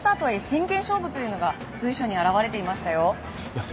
真剣勝負というのが随所に現れていましたよ。